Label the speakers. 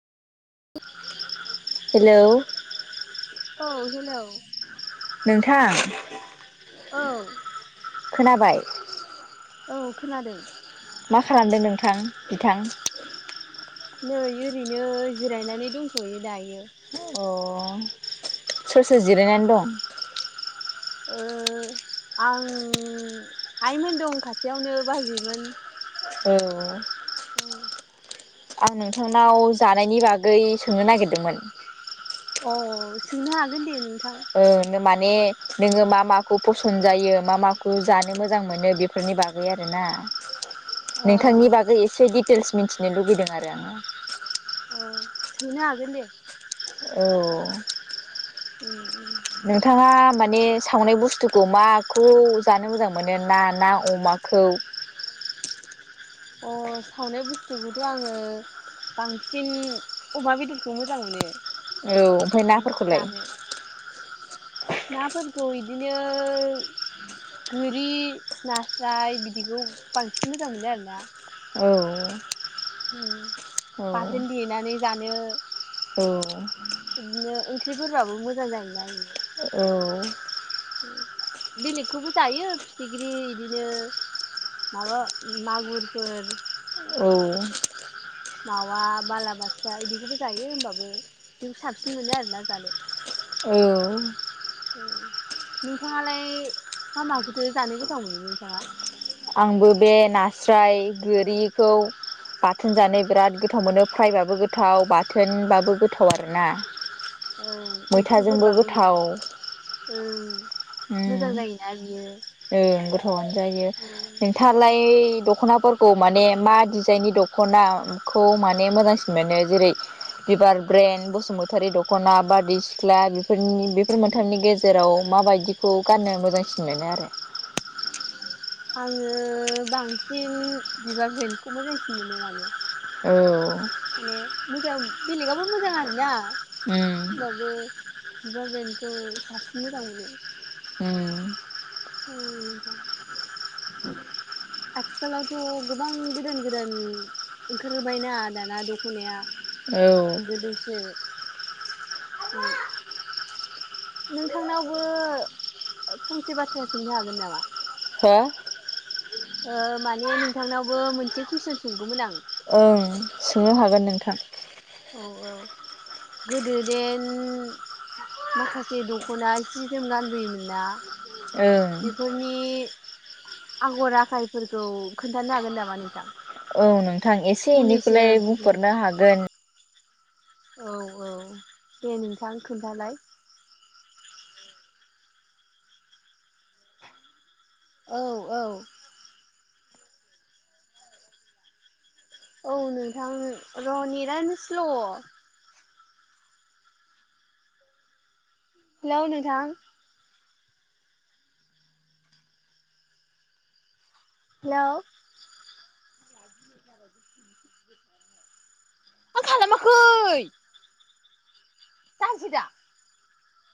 Speaker 1: Hello
Speaker 2: औ hello
Speaker 1: नोंथां
Speaker 2: औ
Speaker 1: खोनाबाय
Speaker 2: औ खोनादों
Speaker 1: मा खालामदों नोंथां बिथां?
Speaker 2: नै ओरैनो जिरायनानै दंथ'यो दायो।
Speaker 1: अ सोर सोर जिरायनानै दं?
Speaker 2: आं आइमोन दं खाथियावनो बाजैमोन
Speaker 1: औ।
Speaker 2: [unintelligible]
Speaker 1: आं नोंथांनाव जानायनि बागै सोंनो नागिरदोंमोन।
Speaker 2: अ सोंनो हागोन दे नोंथां।
Speaker 1: ओ माने नोङो मा माखौ फसन्द जायो मा माखौ जानो मोजां मोनो बेफोरनि बागै आरोना।
Speaker 2: अ
Speaker 1: नोंथांनि बागै एसे डिटेल्स मिथिनो लुुबैदों आरो आङो।
Speaker 2: अ सोंनो हागोन दे।
Speaker 1: औ।
Speaker 2: [unintelligible]
Speaker 1: नोंथाङा माने सावनाय बुस्थुखौ माखौ जानो मोजां मोनो ना ना अमाखौ?
Speaker 2: अ सावनाय बुस्थुखौथ' आङो बांसिन अमा बेदरखौ मोजां मोनो।
Speaker 1: औ ओमफ्राय
Speaker 2: माने
Speaker 1: नाफोरखौलाय?
Speaker 2: जानो नाफोरखौ बिदिनो गोरि नास्राय बिदिखौ बांसिन मोजां मोनो आरोना।
Speaker 1: औ। औ
Speaker 2: बाथोन देनानै जानो
Speaker 1: औ।
Speaker 2: बिदिनो ओंख्रिफोरबाबो मोजां जायोना।
Speaker 1: औ।
Speaker 2: बेलेगखौबो जायो फिथिख्रि बिदिनो माबा मागुरफोर
Speaker 1: औ।
Speaker 2: मावा बालाबाथिया बिदिखौबो जायो होमबाबो बिदि साबसिन मोनो आरोना जानो।
Speaker 1: औ।
Speaker 2: नोंथाङालाय मा माखौथो जानो गोथाव मोनो नोंथाङा?
Speaker 1: आंबो बे नास्राय गोरिखौ बाथोन जानो बिराद गोथाव मोनो फ्रायबाबो गोथाव बाथोनबाबो गोथाव आरोना।
Speaker 2: औ
Speaker 1: मैथाजोंबो
Speaker 2: ओंख्रिफोरबाबो
Speaker 1: गोथाव
Speaker 2: ओ
Speaker 1: ओ गोथावनो जायो। थालाय दख'नाफोरखौ माने मा डिजाइननि दख'नाखौ माने मोजांसिन मोनो जेरै बिबार ब्रेन्ड बसुमतारी दख'ना बारदै सिख्ला बेफोर मोनथामनि गेजेराव जेराव माबायदिखौ गाननो मोजांसिन मोनो आरो?
Speaker 2: आङो बांसिन बिबार ब्रेनडखौ मोजांसिन मानो आरो
Speaker 1: औ।
Speaker 2: माने मोजां बेलेगआबो मोजां आरोना
Speaker 1: उम
Speaker 2: होमबाबो बिबार ब्रेनखौ साबसिन मोजां मोनो।
Speaker 1: [unintelligible]
Speaker 2: [unintelligible] आथिखालावथ' गोबां गोदान - गोदान ओंखारबायना दाना
Speaker 1: औ
Speaker 2: गोदोसो [inaudible] नोंथांनावबो फंसे बाथ्रा सोंनो हागोन नामा।
Speaker 1: हो
Speaker 2: माने नोंथांनावबो मोनसे कुइसन सोंगौमोन आं।
Speaker 1: औ सोंनो हागोन नोंथां
Speaker 2: औ औ गोदो देन। माखासे दख'ना सि जोम गानबोयोमोनना।
Speaker 1: ओं
Speaker 2: बेफोरनि। आगर आखाइफोरखौ खोन्थानो हागोन नामा नोंथां।
Speaker 1: औ नोंथां एसे
Speaker 2: फंनैसो
Speaker 1: एनैखौलाय
Speaker 2: बिजिरनानै
Speaker 1: बुंफोरनो हागोन
Speaker 2: औ औ दे नोंथां खोन्थालाय। औ औ औ नोंथां र' नेटआनो स्ल'। हेलौ नोंथां। हेल'। आं खालामाखै। जानोसै दा।